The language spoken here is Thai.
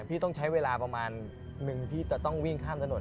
พี่ต้องใช้เวลาประมาณนึงที่จะต้องวิ่งข้ามถนน